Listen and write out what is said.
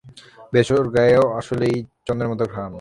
বেশ, ওর গায়ে আসলেই চন্দনের মতো ঘ্রাণ।